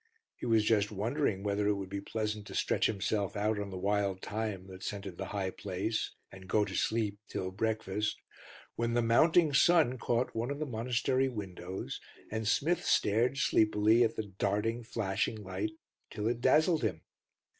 He was just wondering whether it would be pleasant to stretch himself out on the wild thyme that scented the high place and go to sleep till breakfast, when the mounting sun caught one of the monastery windows, and Smith stared sleepily at the darting flashing light till it dazzled him.